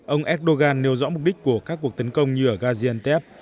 ông erdogan nêu rõ mục đích của các cuộc tấn công như ở gaziantev